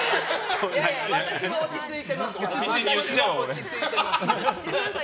私は落ち着いてますから。